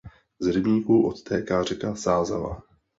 Z rybníku odtéká řeka Sázava.